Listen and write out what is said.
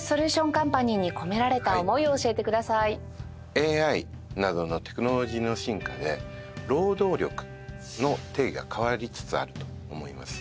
ＡＩなどのテクノロジーの進化で労働力の定義が変わりつつあると思います。